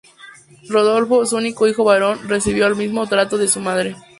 Rodolfo, su único hijo varón, recibió el mismo trato de su madre.